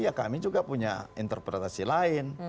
ya kami juga punya interpretasi lain